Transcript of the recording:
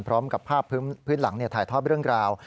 พร้อมกับภาพพื้นหลังถ่ายทอดเรื่องราว